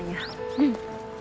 うん。